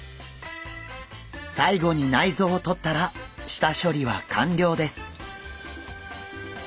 最後に内臓を取ったら下処理は完了です。